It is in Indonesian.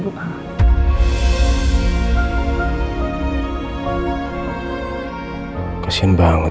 bu rosa pasti sikisnya sangat terganggu